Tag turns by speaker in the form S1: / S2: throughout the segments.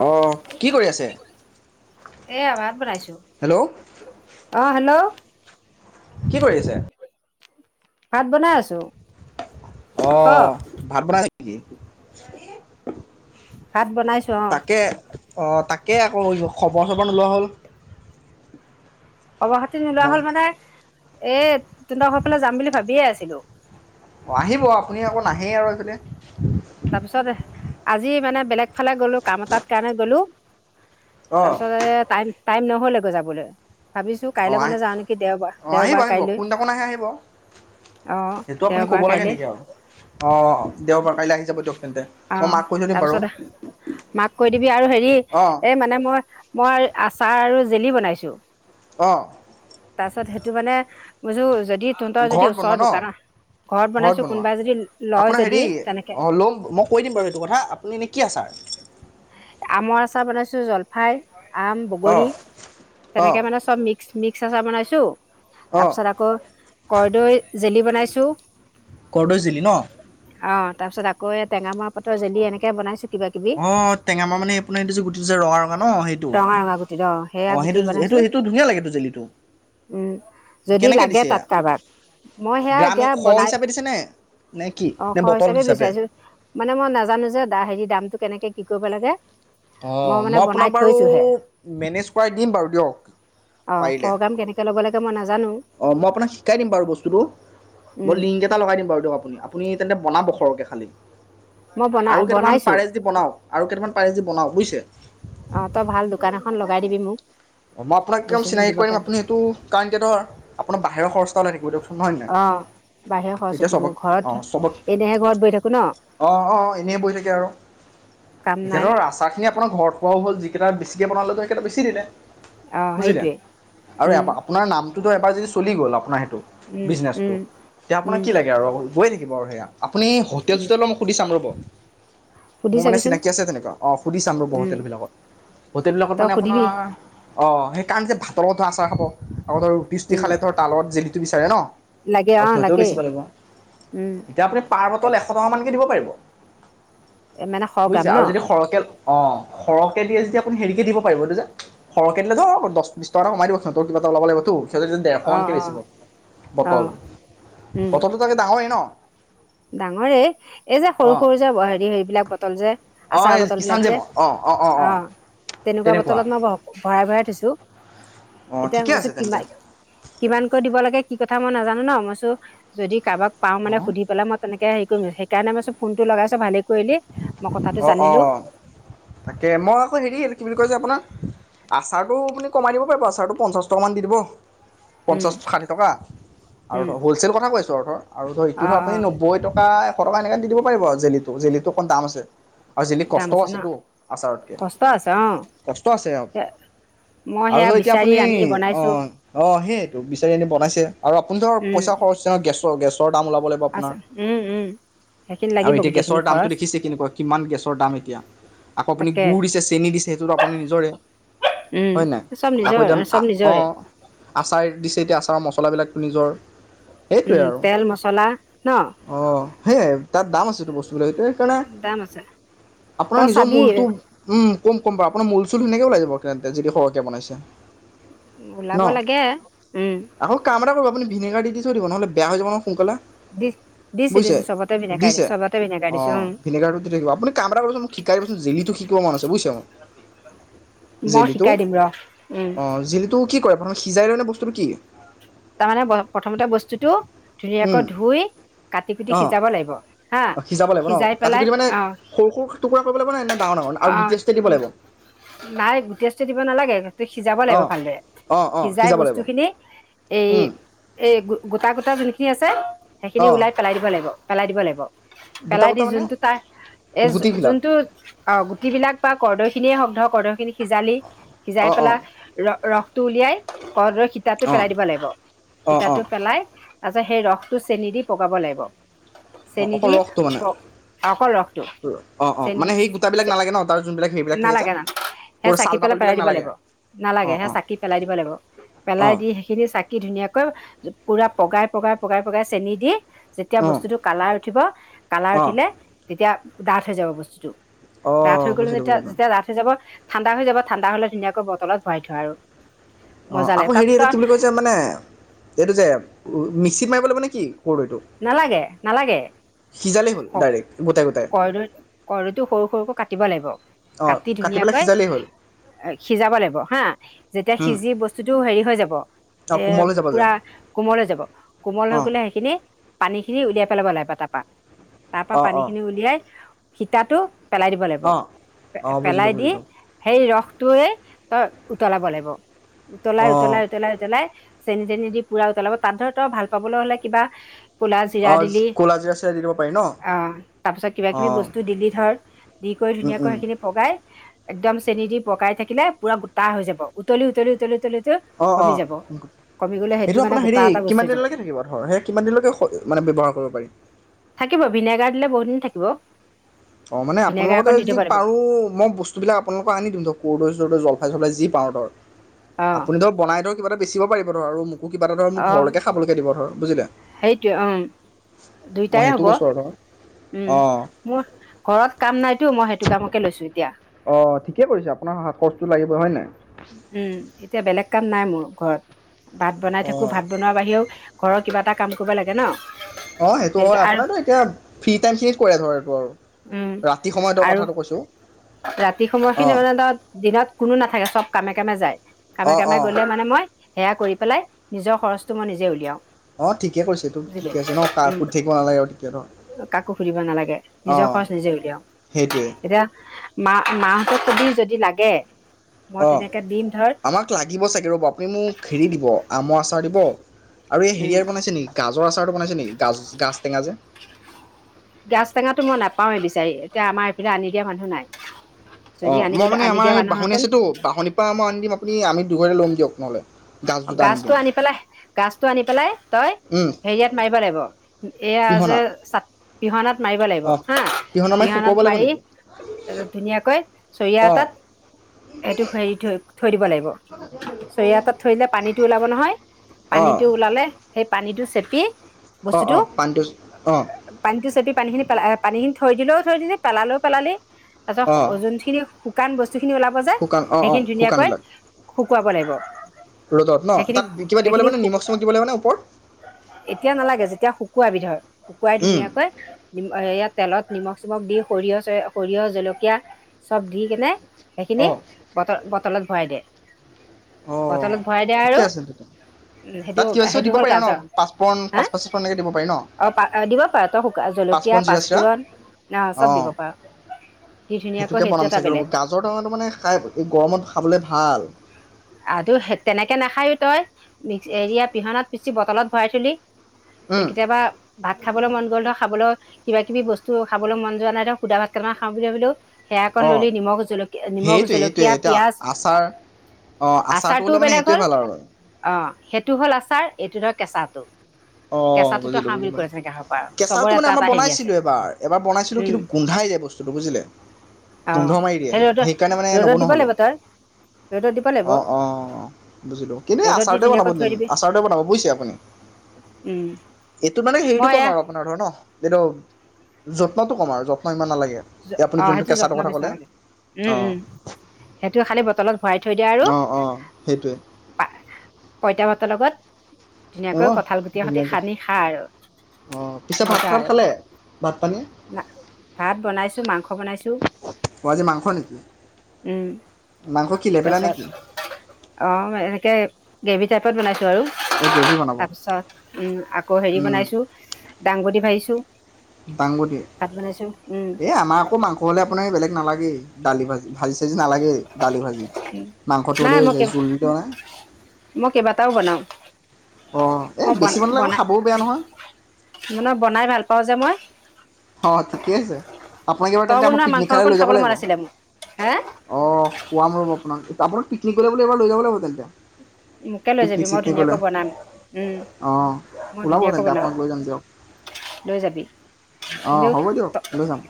S1: অ' কি কৰি আছে?
S2: এয়া ভাত বনাইছো
S1: হেল্ল'
S2: অহ হেল্ল'।
S1: কি কৰি আছে।
S2: ভাত বনাই আছো।
S1: অ
S2: ক
S1: ভাত বনাই ে [unintelligible]
S2: ভাত বনাইছো অ।
S1: অঁ তাকে আকৌ খবৰ চবৰ নোলোৱা হ'ল।
S2: অবহাতি নোলোৱা
S1: মই
S2: হ'ল মানে। এ তোত ঘৰৰ ফালে যাম বুলি ভাবিয়ে আছিলো।
S1: অঁ আহিব আপুনি আকৌ নাহেই আৰু এইফে।
S2: তাৰপিছত। আজি মানে বেলেগ ফালে গ'লো কাম এটাত কাৰণে গ'লো।
S1: অ'
S2: তাৰপিছতে তাই। টাইম নহ'ল আকৌ যাবলে।
S1: অ আহি অ আহিব
S2: দেওবাৰ
S1: আহিব
S2: কাইলৈ
S1: কোনদিনাখন আহে আহিব
S2: অ
S1: সেইটো আপুনি
S2: দেওবাৰ
S1: ক'ব লাগে।
S2: কাইলৈ
S1: নেকি আৰু অ দেওবাৰ কাইলৈ আহি। যাব দিয়ক তেন্তে
S2: অ
S1: মই মাক কৈ থৈ দিম বাৰু
S2: তাৰপিছত মাক কৈ দিবি আৰু হেৰি
S1: অ'
S2: এ মানে মই মই আছ। চাহ আৰু জেলি বনাইছোঁ।
S1: অ'
S2: তাছত সেইটো মানে। বুজো। দি তহঁতৰ যদি
S1: ঘৰত বনোৱা
S2: ওচৰৰ
S1: ন
S2: দোকান ঘৰত বনাইছো কোনোবাই যদি লয়
S1: আপোনাৰ
S2: যদি
S1: হেৰি
S2: তেনেকে।
S1: অ' ল'ম মই কৈ দিম বাৰু এইটো কথা আপুনি এনে কি আছাৰ।
S2: আমৰ আচাৰ বনাইছো জলফাই। আম বগৰী
S1: অ' অ'
S2: তেনেকে মানে চব মিক্স। মিক্স আচাৰ বনাইছোঁ। তাৰ
S1: অ'
S2: পিছত আকৌ কৰ্দৈ জেলি বনাইছো। তো।
S1: কৰৰ্দৈ জিলি ন।
S2: তাৰ পিছ আকৌ এ টেঙা মৰা পাতৰ জেলি এনেকে বাইছো। কিবা কিবি।
S1: টেঙা মা মানে আপুনাৰ এইটো সেইটো যে গুটিটো যে ৰঙা ৰঙা ন সেইটো
S2: ৰঙা ৰঙা গুটিত অ সেয়া
S1: অঁ
S2: গুটি
S1: সেইটো সেইটো
S2: বনাইছো
S1: সেইটো ধুনীয়া লাগেটো জেলিটো
S2: উম যদি
S1: কেনেকৈ
S2: লাগে
S1: দিছে।
S2: তাত কাৰোবাক মই সেয়া
S1: গ্ৰাম
S2: এতিয়া
S1: শ
S2: বনাই
S1: হিচাপে দিছেনে নে নে কি
S2: অ
S1: নে
S2: সহ
S1: বটল হিচাপে।
S2: বিচাৰিছো তো কেনেকে। কি কৰিব লাগে।
S1: অ
S2: মানে
S1: মই
S2: বনাই
S1: আপোনাক বাৰু
S2: থৈছোঁহে
S1: মেনেজ কৰাই দিম বাৰু দিয়ক পাৰিলে।
S2: কিয় মই নাজ
S1: অ মই আপোনাক শিকাই দিম বাৰু বস্তুটো মই
S2: উম,
S1: লিংক এটা লগাই দিম বাৰু দিয়ক আপুনি আপুনি বনাব। সৰহকে খালি
S2: মই বনাই বনাইছোঁ
S1: আৰু কেইটামান পাৰে যদি বনাওক বুইছে।
S2: অঁ তই ভাল দোকান এখন লগাই দিবি মোক
S1: অ মই আপোনাক একম
S2: বস্তুখিনি
S1: চিনাকি
S2: দিবৰ
S1: কৰিম
S2: কাৰণে
S1: আপুনি সেইটো কাৰণ কি ধৰ। সেৰ খৰছ এটা লাগিব দেই
S2: অ বাহিৰৰ খৰচ এইটো মোৰ
S1: অ'
S2: ঘৰত
S1: চবক
S2: এনেহে ঘৰত বহি থাকো ন।
S1: অঁ অঁ এনেই বহি থাকে আৰু
S2: কাম
S1: এতিয়া
S2: নাই
S1: ধৰক আচাৰ খিনি আপোনাৰ ঘৰত পোৱাও হ'ল। যিকেইটা বেছিকে বনালে সেইকেইটা বেছি দিলে।
S2: অঁ
S1: বুজিলে
S2: সেইটোৱে
S1: আৰু
S2: উম
S1: আপোনাৰ নামটো। এতিয়া এবাৰ যদি চল গল' আপোনাৰ সেইটো।
S2: উম উম
S1: বিজনেছটো এতিয়া
S2: উম
S1: আপোনাক কি লাগে আৰু গৈ থা হিবাও হেয়া আপুনি হোটেল
S2: উম
S1: চোটেল মই সুধি চাম ৰ'ব।
S2: সুধি
S1: মোৰ মানে
S2: চাবিচোন
S1: চিনাকি আছে তেনেকুৱা অ সুধি চাম ৰ'ব
S2: উম,
S1: হোটেল বিলাকত হোটেল বিলাকত
S2: তই
S1: মানে আপোনাৰ।
S2: সুধিবি
S1: অ সেইকাৰণ যে ভাত লগত যে আচাৰ খাব লগত আৰু। পৃষ্টি
S2: উম,
S1: খালে তাৰ লগত জে। জেলিটো বিচাৰে ন।
S2: লাগে
S1: আৰু
S2: অঁ
S1: সিহঁতেও
S2: লাগে
S1: বেছিব লাগিব
S2: উম,
S1: এতিয়া আপুনি পাৰ বটল এশ টকা মানকে দিব পাৰিব।
S2: মানে সৰগ্ৰাম
S1: বুইছা
S2: ন
S1: আৰু যদি সৰকে। অ সৰহকে দিয়ে যদি আপুনি হেৰিকে দিব পাৰিব এইটো যে সৰহে দিলে ধৰক দহ বিশ টকা কমাই দিয়ক সিহঁতৰ কিবা এটা ওলাব লাগিবতো। সিহঁতে
S2: অঁ
S1: ডেৰশমানকে
S2: অঁ
S1: বেছিব বটল
S2: অঁ
S1: বটলটো তাকে ডাঙৰেই ন।
S2: ডাঙৰে এই যে
S1: অ
S2: সৰু সৰু যে হেৰি হেৰিবিলাক বটল যে
S1: অ
S2: আচাৰ
S1: এই
S2: বটল
S1: কিষান
S2: বিলাক যে
S1: মই অ
S2: অ তেনেকুৱা বটলত মই ভৰাই ভৰাই। দিছো।
S1: অ
S2: এতিয়া
S1: ঠিকে
S2: ভাবিছোঁ
S1: আছে তেন্তে
S2: কিমান কিমানকৈ দিব লাগে কি। কথা মই নাজানো ন মই চো যদি কাৰোবাক। পাও
S1: অ
S2: মানে সুধি পেলাই মই। তেনেকে হেৰি কৰিম সেইকাৰণে মই চো ফোনটো লগাইছ ভালে। কৰিলি। মই কথাটো
S1: অ অ
S2: জানিলো
S1: তাকে মই আকৌ হেৰি কি বুলি কৈছে আপোনাৰ। আচাৰটো আপুনি কমাই দিব পাৰিব আচাৰটো পঞ্চাছ টকামান দি দিব।
S2: উম,
S1: পঞ্চাছ ষাঠি টকা আৰু
S2: উম,
S1: হ'লচেলৰ কথা কৈছোঁ আৰু ধৰ আৰু ধৰ এইটো ধৰক
S2: অ',
S1: আপুনি
S2: অ',
S1: নব্বৈ টকা অকন মান এনেকে দি দিব পাৰিব জেলিটো জেলি অকমান দাম আছে। আৰু যেলিত
S2: দাম
S1: কষ্টও
S2: আছে ন'
S1: আছেতো আচাৰতকৈ
S2: কষ্ট আছে অ',
S1: কষ্ট আছে আৰু
S2: মই সেয়া
S1: আৰু এতিয়া
S2: বিচাৰি
S1: আপুনি
S2: আনি
S1: অ
S2: বনাইছো
S1: অ সেইটো বিচাৰি এনে বনাইছে। আৰু আপুনি ধৰ
S2: উম,
S1: পইচা খৰচ গেছ ত গেছৰ দাম ওলাব লাগিব আপোনাৰ
S2: আছে উম উম সেইখিনি
S1: আৰু
S2: লাগিব
S1: এতিয়া
S2: গোটেই খিনি
S1: গেছৰ
S2: খৰ
S1: দামটো দেখিছে কেনেকুৱা গেছৰ দাম এতিয়া আকৌ আপুনি
S2: তাকে
S1: গুৰ দিছে চেনি দিছে সেইটো আপোনাৰ নিজৰে
S2: উম,
S1: হয় নাই
S2: চব
S1: আকৌ
S2: নিজৰ
S1: এতিয়া
S2: চব নিজৰে
S1: আচাৰ দিছে এতিয়া তোমাৰ মচলাবিলাক নিজৰ। সেইটোৱে
S2: উম
S1: আৰু
S2: তেল মচলা ন।
S1: সে তাত দাম আছেতো বস্তুবিলাক একোৱেই
S2: দাম আছে
S1: আপোনাৰ
S2: তই
S1: নিজৰ
S2: চাবি
S1: মূলটো উম কম কম বু আপোন মুল চুল ধুনীয়াকে ওলাই যাব কিমান পাইছে যদি সৰহকে বনাইছে। ন
S2: ওলাব লাগে উম।
S1: আকৌ কাম এটা কৰিব আপুনি ভিনেগাৰ দি দি থৈ দিব নহলে বেয়া যাব ন।
S2: দিছ দিছো দিছো চবতে ভিনেগাৰ
S1: দিছে
S2: দিছ চবতে ভিনেগাৰ
S1: অঁ
S2: দিছো অ।
S1: আপুনি কাম এ মোক শিকাই দিবচোন জেলিটো শিকিব মন আছে বুইচ
S2: মই
S1: জেলিটো,
S2: শিকাই দিম ৰ উম
S1: অ জিলিটো কি কৰে? প্ৰথমে সিজাই লয় নে বস্তুটো কি?
S2: তাৰমানে প্ৰথমতে বস্তুতোটো
S1: উম
S2: ধুনীয়াকৈ ধুই কাটি কুটি
S1: অঁ
S2: সিজাব লাগিব হা
S1: অঁ সিজাব লাগিব ন
S2: সিজাই
S1: কাটি
S2: পেলাই
S1: কুটি মানে
S2: আহ
S1: সৰু সৰু টুকুৰা কৰিব লাগিব নে নে ডাঙৰ ডাঙৰ আৰু গুটি
S2: আহ
S1: চুটি দিব লাগিব
S2: নাই গুটেইষ্টটো দিব নালাগে। সিজাব লাগিব
S1: অঁ
S2: ভালদৰে
S1: অঁ অঁ
S2: সিজাই
S1: সিজাব
S2: বস্তু
S1: লাগিব
S2: খিনি এই
S1: উম
S2: এই গোটা গোটা যোনখিনি আ ছে। সেইখিনি
S1: অঁ
S2: ওলাই পেলাই দিব লাগিব। পেলাই দিব লাগিব।
S1: গোটা
S2: পেলাই দি
S1: গোটা মানে
S2: যোনটো তাৰ এ
S1: গুটিবিলাক
S2: যোনটো গুটি বিলাক বা কৰ্দৈ খিনিয়ে হওঁক ধৰক কৰ্দৈখিনি সিজালি সিজাই
S1: অঁ অঁ
S2: পেলাই ৰ ৰসটো উলিয়াই কৰ্দৈ তিতাটো
S1: অঁ
S2: পেলাই দিব লাগ
S1: অঁ
S2: তিতাটো
S1: অঁ
S2: পেলাই তাৰপিছত সেই ৰসটো চেনি দি পগাব লাগিব।
S1: অ
S2: চেনী
S1: অকল
S2: দি-
S1: ৰসটো মানে
S2: অকল ৰসটো,
S1: অ অ মানে
S2: চেনী-
S1: সেই গোটাবিলাক
S2: চে-
S1: নালাগে ন তাৰ যোনবিলাক সেইবিলাক থাকে যে
S2: নালাগে, নালা-। সেই
S1: ক'ৰ
S2: চাকি
S1: ছাল
S2: পেলাই পেলাই
S1: বাকলিবিলাক
S2: দিব
S1: নালাগে
S2: লাগিব।
S1: অ
S2: নালাগে, সেই
S1: অ
S2: চাকি পেলাই দিব লাগিব।
S1: অ
S2: পেলাই দি সেইখিনি চা কৈ পুৰা পগাই - পগাই - পগাই - পগাই চেনি দি যেতিয়া
S1: অ
S2: বস্তুটো কালাৰ উঠিব, কালাৰ
S1: অ
S2: উঠিলে তেতিয়া ডাঠ হৈ যাব বস্তুটো।
S1: অ
S2: ডাঠ হৈ গলে
S1: বুজিলোঁ
S2: যেতিয়া-
S1: বুজিলোঁ
S2: যেতিয়া ডাঠ হৈ যাব, ঠাণ্ডা হৈ যাব। ঠাণ্ডা হ'লে ধুনীয়াকৈ বটলত ভৰাই থোৱা আৰু।
S1: অ'
S2: মজা লাগে
S1: আকৌ
S2: তাত
S1: হেৰি এটা
S2: তই
S1: কি বুলি কয় যে মানে এইটো যে ম- মিক্সিত মাৰিব লাগিব নে কি? কৰদৈটো
S2: নালাগে - নালাগে।
S1: সিজালেই হ'ল
S2: ক-
S1: ডাইৰেক্ট গোটাই গোটাই
S2: কৰ্দৈ- কৰ্দৈটো সৰু - সৰুকৈ কাটিব লাগিব।
S1: অ
S2: কাটি
S1: পেলাই
S2: ধুনীয়াকৈ
S1: সিজালেই হ'ল
S2: অ'- সিজাব লাগিব, হা। যেতিয়া সিজি বস্তুটো হেৰি হৈ যাব,
S1: অ
S2: এ-
S1: কোমল হৈ যাব যে
S2: পুৰা কোমল হৈ যাব, কোমল
S1: অ
S2: হৈ গ'লে সেইখিনি পানীখিনি উলিয়াই পেলাব লাগিব তাৰপৰা। তাৰপৰা
S1: অ অ
S2: পানীখিনি উলিয়াই শিতাটো পেলাই দিব লাগিব।
S1: অ
S2: পে-
S1: অ বুজিলোঁ
S2: পেলাই দি
S1: বুজিলোঁ
S2: সেই ৰস তোৱে তই উতলাব লাগিব। উতলাই
S1: অ
S2: - উতলাই - উতলাই - উতলাই চেনি-তেনি দি পুৰা উতলাব। তাত ধৰ তই ভাল পাবলৈ হলে কিবা ক'লা
S1: অ
S2: জিৰা দিলি।
S1: ক'লা জিৰা চিৰা দি দিব পাৰি ন
S2: অ' তাৰপিছত কিবা-কিবি বস্তু দিলি ধৰ। দি কৰি ধুনীয়াকৈ সেইখিনি পগাই একদম চেনি দি পগাই থাকিলে পুৰা গোটা হৈ যাব। উতলি - উতলি - উতলি - উতলি উতলি
S1: অ' -
S2: কমি
S1: অ',
S2: যাব কমি গ'লে সেইটো
S1: এইটো
S2: মানে
S1: আপোনাৰ
S2: গোটা
S1: হেৰি
S2: এটা বস্তু হৈ
S1: কিমান
S2: যাব
S1: দিনলৈকে থাকিব? ধৰ সেই কিমানদিনলৈকে স মানে ব্যৱহাৰ কৰিব পাৰি?
S2: থাকিব। ভিনেগাৰ দিলে বহুত দিন থাকিব।
S1: অ' মানে আপোনাৰ
S2: ভিনেগাৰ
S1: লগতে
S2: অকণ দি
S1: যদি
S2: দিব লাগিব
S1: পাৰোঁ, মই বস্তুবিলাক আপোনালোকক আনি দিম দক। কৰ্দৈ জলফাই-চলফাই যি পাওঁ ধৰ
S2: অ
S1: আপুনি ধৰ বনাই দিয়ক। কিবা এটা বেচিব পাৰিব ধৰ আৰু মোক আকো কিবা এটা ধৰক মোক
S2: অ
S1: ঘৰলৈকে খাবলৈকে দিব ধৰ বুজিলা?
S2: সেইটোৱে, উম।
S1: মই
S2: দুইটাৰে
S1: সেইটো
S2: হ'ব।
S1: কৈছোঁ আৰু ধৰ
S2: উম,
S1: অঁ
S2: মোৰ ঘৰত কাম নাইতো মই সেইটো কামকে লৈছো এতিয়া
S1: অঁ ঠিকে কৰিছে আপোনাৰ হাত খৰচটো লাগিব হয় নাই
S2: উম এতিয়া বেলেক কাম নাই মোৰ ঘৰত ভাত বনাই থাকো ভাত
S1: অঁ
S2: বনোৱাৰ বাহিৰেও ঘৰত কিবা এটা কাম কৰিব লাগে ন
S1: অ সেইটো হয় আপোনাৰটো এতিয়া ফ্ৰী টাই খিনিত কৰে ধৰ এইটো আৰু
S2: উম
S1: ৰাতি সময়তৰ
S2: আৰু
S1: কথাটো কৈছোঁ
S2: ৰাতি সময়খিনি
S1: অঁ
S2: মানে ধ দিনত কোনো নাথাকে চব কামে কামে যায় কামে
S1: অঁ
S2: কামে
S1: অঁ
S2: গলে মানে মই সেয়া কৰি পেলাই নিজৰ খৰচটো মই নিজে উলিয়াও
S1: অ ঠিকে কৰিছে এইটো
S2: বুজিলি
S1: ঠিকে আছে ন কাকো
S2: উম
S1: সুধি থাকিব নালাগে ন
S2: কাকো সুধিব নালাগে নিজৰ খৰচ নিজে উলিয়াও এতিয়া মা মাহঁতৰ তথাপিও যদি লাগে মই
S1: অ
S2: তেনেকে দিম ধৰ
S1: আমাক লাগিব চাগে ৰ'ব আপোনি মোক হেৰি দিব আমৰ আচাৰ আচাৰ দিব আৰু এই
S2: উম
S1: হেয়াৰ বনাইছে নে গাজৰ আচাৰটো বনাইছে নেকি‍? গাজ গাজ টঙা যে
S2: গাজ টেঙাটো মই নাপাওএবিচাৰি এতিয়া আমাৰ এইফালে আনি দিয়া মানুহ নাই।
S1: অ
S2: যদি
S1: মই
S2: আনিবলৈ
S1: মানে
S2: আনি
S1: আমাৰ
S2: দিয়া
S1: এই বাহনী
S2: মানুহহেঁতেন
S1: আছেতো বাহনিৰ পৰা মই আনি দিম আপুনি আমি দুঘৰে লম দিয়ক মলৈলে [unintelligible]
S2: গজটো আনি পেলাই গজটো আনি পেলাই তই হেৰিয়াত মাৰিব লাগিব এয়া
S1: পিহনা
S2: যে চ পিহনাত মাৰিব লাগিব
S1: অঁ
S2: হা
S1: পিহনা মানে
S2: পিহানাত
S1: শুকুৱাব লাগিব
S2: মাৰি
S1: নেকি
S2: ধুনীয়াকৈ চৰিয়া
S1: অঁ
S2: এটাত সেইটো হেৰি থৈ থৈ দিব লাগিব চৰিয়াএটাত থৈ দিলে পানীটো ওলাব নহয়
S1: অঁ
S2: পানীটো ওলালে সেই পানীটো চেপি
S1: অ
S2: বস্তুটো
S1: অ পানীটো আহ
S2: পানীটো চেপি পানীখিনি পে পানীখিনি থৈ দিলেও থৈ দিলি পেলালও পেলালি
S1: অঁ
S2: তাৰপিছত যোনখিনি শুকান বস্ত যিখিনি ওলাব যে
S1: শুকান অঁ অঁ
S2: সেইখিনি ধুনীয়াকৈ
S1: শুকানবিলাক
S2: শুকুৱাব লাগিব
S1: ৰ'দত ন
S2: সেইখিনি
S1: তাত কিবা দিব
S2: সেইখিনি
S1: লাগিবনে নিমখ চিমখ দিব লাগিবনে ওপৰত
S2: এতিয়া নালাগে যেতিয়া শুকুৱাবি ধৰ শুকুৱাই ধুনীয়াকৈ এইয়া তেলত নিমখ চিমখ দি সৰিয়হ চ সৰিয়হ জলকীয়া চব দি কেনে সেইখিনি
S1: অঁ
S2: বতল তলত ভৰাই দে।
S1: অঁ',
S2: বটলত ভৰাই দে
S1: ঠিকে
S2: আৰু
S1: আছে
S2: সেইটো
S1: তাত তিয়হ চিও
S2: সেইটো
S1: দিব
S2: হ'ল
S1: পাৰি ন
S2: গাজৰ
S1: পাঁচ পোৰণ
S2: হা
S1: পাঁচ পাঁচ দিব পাৰি ন
S2: অ পা দিব পাৰ তই শুকান
S1: পাঁচ
S2: জলকীয়া
S1: পোৰণ জিৰা চিৰা
S2: পাঁচফোৰণ অ চব দিব
S1: অঁ',
S2: পাৰ দি ধুনীয়াকৈ
S1: সেইটোকে
S2: সেইটো
S1: বনাম
S2: এটা
S1: চাগৈ ৰ'ব
S2: বেলেগ
S1: গাজৰ টেঙাটো মানে খাই এই গৰমত খাবলৈ ভাল?
S2: আ তেনেকে নাখায়ো তই এৰিয়া পিহনাত পিচি বটলত ভৰাই থৈ দি? ত কেতিয়াবা ভাত খাবলৈ মন গ'ল ন খাবলৈ? কিবা কিবি বস্তু খাবলৈ মন যোৱা নাই ধৰ সুদা ভাত কেইটামান খাওঁ বুলি ভাবিলেও? সেয়াকণ
S1: অঁ
S2: ললি নিমখ জলকীয়া নিমখ
S1: সেইটোৱে সেইটোৱে
S2: জলকীয়া
S1: এতিয়া
S2: পিয়াজ?
S1: আচাৰ অঁ আচাৰটো
S2: আচাৰটোও
S1: হ'লে মানে
S2: বেলেগ
S1: সেইটোৱে
S2: হ'ল
S1: ভাল আৰু
S2: অ', সেইটো হ'ল আচাৰ। তোৰ ধৰ কেঁচাটো?
S1: অ
S2: কেঁচাটোতো
S1: বুজিলো
S2: খাওঁ বুলি
S1: বুজিলো
S2: কয় তেনেকে খাব পাৰ
S1: কেঁচাটো
S2: চবৰে
S1: মানে
S2: এটা
S1: আমাৰ
S2: এটা হেৰি আছে
S1: বনাইছিলো এবাৰ এবাৰ বনাইছিলো
S2: উম
S1: কিন্তু গোন্ধাই যায় বস্তুটো বুজিলে?
S2: অ
S1: গোন্ধ মাৰি দিয়ে
S2: সেই ৰ'দত
S1: সেইকাৰণে মানে
S2: ৰ'দত
S1: নবনুৱা
S2: দিব
S1: হলো
S2: লাগিব তই ৰ'দত দিব লাগিব
S1: অ', অ', বুজিলো কিন্তু এই
S2: ৰ'দত দি
S1: আচাৰতেৱে বনাব
S2: ধুনীয়াকৈ থৈ
S1: দিম
S2: দিবি
S1: আচাৰতেৱে বনাব বুজিছে আপুনি?
S2: উম
S1: এইটো মানে হেৰিটো
S2: মই
S1: কম
S2: এয়া
S1: আৰু আপোনাৰ ধৰ ন এইটো? যত্নটো কম আৰু যত্ন ইমান নালাগে? এই আপুনি
S2: অ',
S1: যোনটো
S2: সেইটো
S1: কেঁচাটোৰ
S2: যত্ন
S1: কথা
S2: বেচি
S1: ক'লে
S2: নালাগে উম
S1: অঁ
S2: উম সেইটোৱে খালি বটলত ভৰাই? থৈ দিয়া আৰু
S1: অঁ অঁ সেইটোৱে
S2: পঁইতা ভাতৰ লগত। উম। ধুনীয়াকৈ কঁঠাল গুটি সতি সানি খা আৰু।
S1: অ', পিছে ভাত
S2: মজা আৰু
S1: খালে ভাত পানী।
S2: না ভাত বনাইছো মাংস বনাইছো?
S1: অ', আজি মাংস নেকি?
S2: উ'ম।
S1: মাংস কি লেবেৰা
S2: পাছত
S1: নেকি
S2: অ', এনেকে? গ্ৰেভি টাইপত বনাইছো? আৰু
S1: অঁ গ্ৰেভি বনাব
S2: তাৰপিছত? হেৰি
S1: উম,
S2: বনাইছো দাংগদী। ভাজিছো?
S1: দাংবডি
S2: ভাত বুনাইছো উ'ম।
S1: এই আমাৰ আকৌ মাংস হ'লে আপোনাৰ বেলেগ নালাগেই দালি ভাজি ভাজি? নালাগেই দালি ভাজি মাংসটো হ'লে
S2: নাই
S1: হৈ
S2: মই
S1: যায়
S2: কেই
S1: জোলটো ন।
S2: মই কেইবাটাও বনাও
S1: অ এই
S2: মই বন
S1: বেছি মানলৈগেও আকৌ
S2: বনাই
S1: খাবও বেয়া নহয়?
S2: পওঁ যে মই।
S1: অ ঠিকেই আছে? আপোনাক বাৰু
S2: তই
S1: তেন্তে আমাৰ
S2: বনোৱা মাংস
S1: পিকনিক খালে
S2: অকণ
S1: লৈ যাব
S2: খাবলৈ মন
S1: লাগিব
S2: আছিলে মোৰ হে
S1: অ খোৱাম ৰব। আপোনাক পিকনিক কৰিবৰ লৈ যাব লাগিব তেন্তে
S2: মোকে লৈ
S1: পিকনিক
S2: যাবি মই
S1: চিকনিকলৈ
S2: ধুনীয়াকৈ বনাম
S1: অঁ
S2: মই
S1: ওলাব
S2: ধুনীয়াকৈ
S1: তেন্তে
S2: বনাওঁ
S1: আপোনাক লৈ যাম দিয়ক
S2: লৈ যাবি
S1: অঁ
S2: কিন্তু
S1: হ'ব দিয়ক লৈ যাম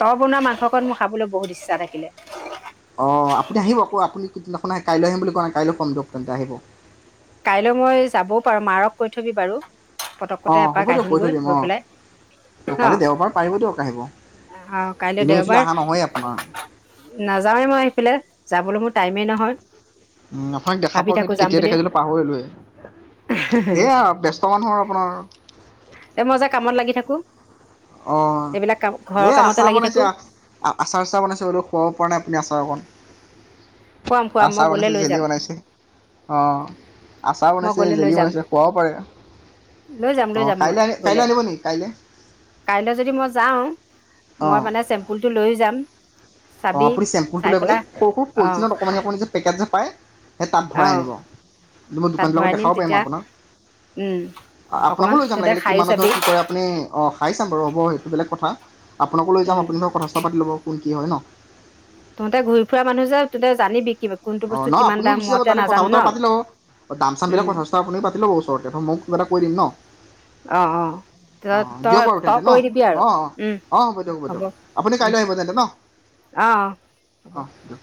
S2: তই বনোৱা মাংসকণ মই খাব লৈ বহুত ইচ্ছা থাকিলে
S1: অ আপুনি আহিব আকৌ আপুনি কেইদিনাখন কাইলৈ আহিম বুলি কোৱা নাই কাইলৈ কম দিয়ক তেন্তে আহিব
S2: কাইলৈ মই যাবও পাৰো মাৰক কৈ থবি বাৰু পতকতে
S1: অঁ হ'ব
S2: এপাক
S1: দিয়ক কৈ থৈ
S2: আহিমগৈ
S1: দিম
S2: গৈ
S1: অঁ
S2: পেলাই
S1: অঁ
S2: ন
S1: কাইলৈ দেওবাৰ পাৰিব দিয়ক আহিব
S2: আহ কাইলৈ
S1: এনেও এইফালে
S2: দেওবাৰ
S1: অহা নহয়েই আপোনাৰ
S2: নাযাওৱে মই এই ফালে যাবলৈ মোৰ টাইমেই নহয়
S1: উম আপোনাক দেখা
S2: ভাবি
S1: পাওঁতে
S2: থাকো
S1: কিন্তু
S2: যাম
S1: কেতিয়া
S2: বুলি
S1: দেখাইছিলো পাহৰিলোঁ কৰিলোৱেই সেয়া ব্যস্ত মানুহৰ আপোনাৰ
S2: কো
S1: অ এই
S2: কামতে
S1: আচাৰ
S2: লাগি
S1: বনাইছে
S2: থাকো
S1: আচাৰ চচাৰ বনাইছে বোলো খুৱাব পৰা নাই আপুনি আচাৰ অকণ
S2: খুৱাম খুৱাম মই
S1: আচাৰ
S2: গ'লে
S1: বনাইছে
S2: লৈ
S1: জেলি
S2: যাম
S1: বনাইছে অ আচাৰ
S2: মই
S1: বনাইছে
S2: গ'লে লৈ
S1: জেলি
S2: যাম
S1: বনাইছে খোৱাও পাৰে
S2: লৈ যাম লৈ
S1: অ
S2: যাম মই
S1: কাইলৈ আ
S2: গ'লে
S1: কাইলৈ আনিব নি কাইলৈ
S2: কাইলৈ যদি মই যাওঁ মই মানে চেম্পুল টো লৈ যাম
S1: অ
S2: চাবি
S1: আপুনি চেম্পুল টো
S2: চাই
S1: ল ব
S2: পেলাই
S1: এইকক
S2: অ
S1: পলথিনত অকণমানি অকণমানি যে পেকেট নাপায় সেই তাত
S2: অ
S1: ভৰাই আনিব কিন্তু মই
S2: তাত
S1: দোকানবিলাকত
S2: ভৰাই নিম
S1: দেখাব পাৰিম
S2: তেতিয়া
S1: আপোনাক
S2: উম
S1: আপোনাকো
S2: অকমান
S1: লৈ যাম
S2: তহঁতে
S1: লাগিলে
S2: খায়ো
S1: কিমানত
S2: চাবি
S1: ধৰ কি কৰে আপুনি অ খাই চাম বাৰু হ'ব সেইটো বেলেগ কথা আপোনাকো লৈ যাম
S2: উম
S1: আপুনি ধৰক কথা চথা পাতি ল'ব কোন কি হয় ন
S2: তহতে ঘূৰি ফুৰা মানুহ যে তহতে জানি বি
S1: অ ন আপুনিও গুচি যাব তাতে কথা বতৰা পাতি ল'ব দাম চামবিলাক
S2: উম
S1: কথা চথা আপুনিও পাতি ল'ব ওচৰতে মই কিবা এটা কৈ দিম ন
S2: অ অ ত
S1: অ দিয়ক
S2: তই
S1: বাৰু
S2: তই
S1: তেন্তে ন
S2: কৰি দিবি আৰু
S1: অ অ
S2: উম
S1: অ হ'ব দিয়ক হ'ব দিয়ক আপুনি
S2: উম
S1: কাইলৈ আহিব তেন্তে ন
S2: অ অ হ'ব
S1: অঁ দিয়ক